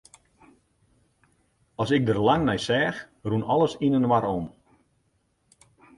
As ik der lang nei seach, rûn alles yninoar om.